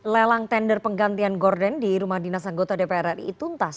lelang tender penggantian gordon di rumah dinas anggota dpr ri tuntas